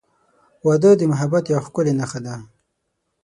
• واده د محبت یوه ښکلی نښه ده.